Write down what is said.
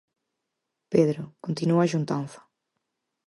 Pedro, continúa a xuntanza...